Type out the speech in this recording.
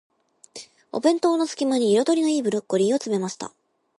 お弁当の隙間に、彩りの良いブロッコリーを詰めました。